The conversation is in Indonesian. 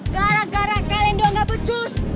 gara gara kalian dua gak becus